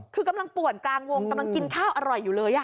คือกำลังป่วนกลางวงกำลังกินข้าวอร่อยอยู่เลย